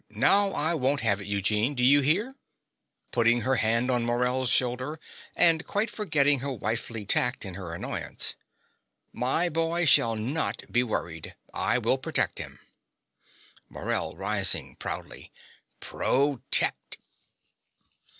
Now I won't have it, Eugene: do you hear? (Putting her hand on Morell's shoulder, and quite forgetting her wifely tact in her annoyance.) My boy shall not be worried: I will protect him. MORELL (rising proudly). Protect!